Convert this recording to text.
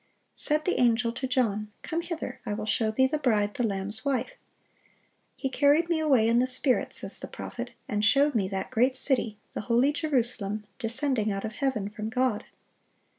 Said the angel to John, "Come hither, I will show thee the bride, the Lamb's wife." "He carried me away in the spirit," says the prophet, "and showed me that great city, the holy Jerusalem, descending out of heaven from God."